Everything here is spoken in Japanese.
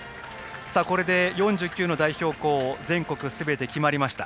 これで４９の代表校全国すべて決まりました。